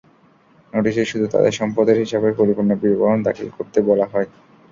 নোটিশে শুধু তাঁদের সম্পদের হিসাবের পরিপূর্ণ বিবরণ দাখিল করতে বলা হয়।